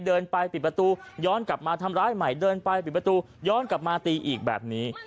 เดินไปปิดประตูย้อนกลับมาทำร้ายใหม่เดินไปปิดประตูย้อนกลับมาตีอีกแบบนี้